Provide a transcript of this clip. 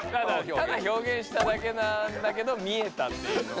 ただ表現しただけなんだけど見えたっていうのは。